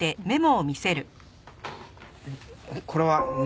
これは何？